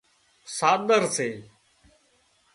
ساۮر سي